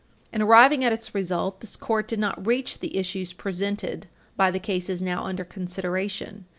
In arriving at its result, this Court did not reach the issues presented by the cases now under consideration.